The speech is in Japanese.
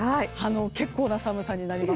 結構な寒さになります。